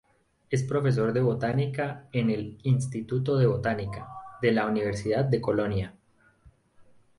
Es profesor de Botánica en el "Instituto de Botánica", de la "Universidad de Colonia".